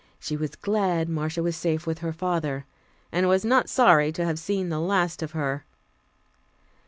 She was glad Marcia was safe with her father, and was not sorry to have seen the last of her.